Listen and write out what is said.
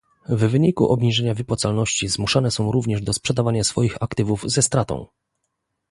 W wyniku obniżenia wypłacalności zmuszane są również do sprzedawania swoich aktywów ze stratą